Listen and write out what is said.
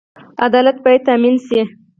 عدالت باید تامین شي